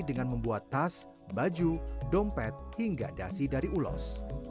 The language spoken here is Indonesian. dengan membuat tas baju dompet hingga dasi dari ulos